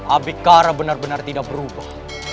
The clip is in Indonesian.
abikara benar benar tidak berubah